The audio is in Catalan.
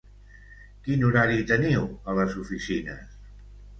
Quin horari teniu a les oficines?